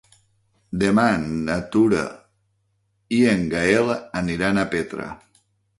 Demà na Tura i en Gaël aniran a Petra.